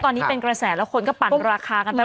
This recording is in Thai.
ตอนนี้เป็นกระแสแล้วคนก็ปั่นราคากันไป